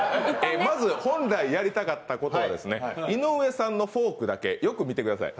まず本来やりたかったことが井上さんのフォークだけよく見てください。